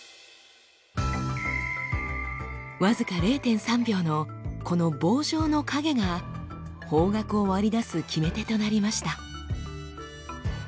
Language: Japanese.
僅か０．３秒のこの棒状の影が方角を割り出す決め手となりました。